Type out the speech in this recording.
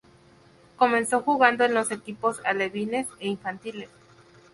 Comenzó jugando en los equipos alevines e infantiles.